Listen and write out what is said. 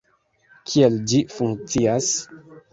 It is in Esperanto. Kiel ĝi funkcias?